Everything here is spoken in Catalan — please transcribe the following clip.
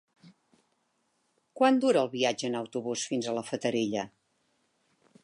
Quant dura el viatge en autobús fins a la Fatarella?